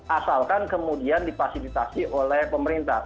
asalkan kemudian dipasilitasi oleh pemerintah